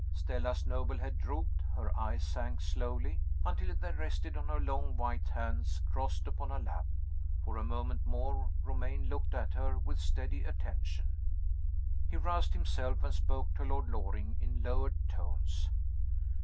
Stella's noble head drooped; her eyes sank slowly, until they rested on her long white hands crossed upon her lap. For a moment more Romayne looked at her with steady attention. He roused himself, and spoke to Lord Loring in lowered tones.